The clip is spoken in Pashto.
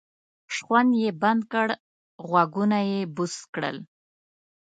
شخوند یې بند کړ غوږونه یې بوڅ کړل.